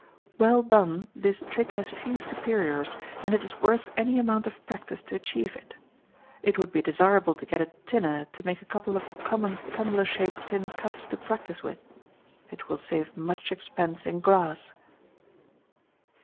Well done, this trick has few superiors, and it is worth any amount of practice to achieve it. It would be desirable to get a tinner to make a couple of common tumbler shaped tin cups to practice with. It will save much expense in glass.